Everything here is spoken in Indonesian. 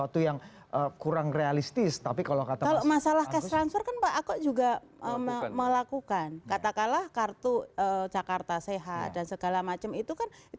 ternyata gara gara ini